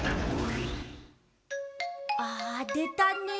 あでたねえ。